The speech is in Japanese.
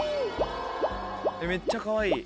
めっちゃかわいい。